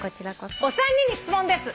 お三人に質問です」